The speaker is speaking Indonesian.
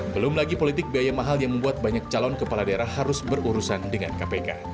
belum lagi politik biaya mahal yang membuat banyak calon kepala daerah harus berurusan dengan kpk